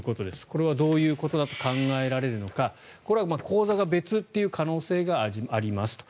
これはどういうことだと考えられるのかこれは口座が別という可能性がありますと。